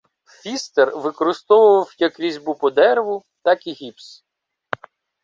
Пфістер використовував як різьбу по дереву, так і гіпс.